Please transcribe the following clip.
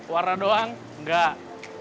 warna doang nggak